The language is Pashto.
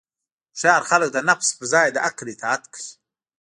هوښیار خلک د نفس پر ځای د عقل اطاعت کوي.